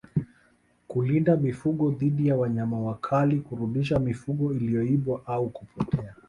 Kulinda mifugo dhidi ya wanyama wakali kurudisha mifugo iliyoibiwa au kupotea